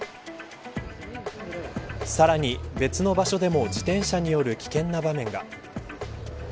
さらに別の場所でも自転車による危険な場面が。